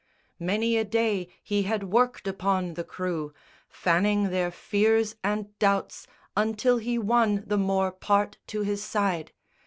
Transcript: Many a day he had worked upon the crew, Fanning their fears and doubts until he won The more part to his side.